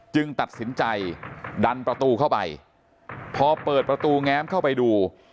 ตัดสินใจดันประตูเข้าไปพอเปิดประตูแง้มเข้าไปดู